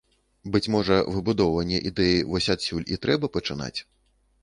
Быць можа, выбудоўванне ідэі вось адсюль і трэба пачынаць.